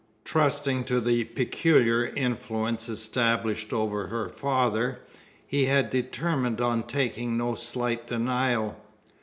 Trusting to the peculiar influence established over her father, he had determined on taking no slight denial.